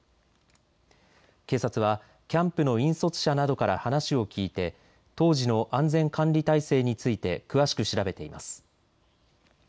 警察はキャンプの引率者などから話を聞いて当時の安全管理態勢について詳しく調べています。